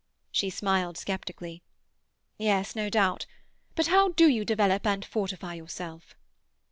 She smiled sceptically. "Yes, no doubt. But how do you develop and fortify yourself?"